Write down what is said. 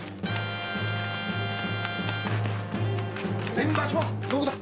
面番所はどこだ